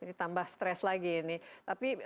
ini tambah stress lagi ini tapi